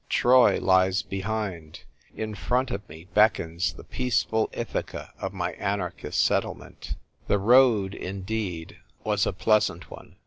Troy lies behind ; in front of me beckons the peaceful Ithaca of my anarchist settle ment." The road, indeed, was a pleasant one.